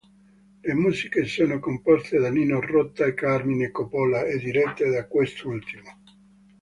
Le musiche sono composte da Nino Rota e Carmine Coppola e dirette da quest'ultimo.